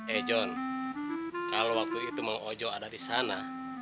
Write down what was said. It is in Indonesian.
eh jon kalau waktu itu mang ojo ada di sana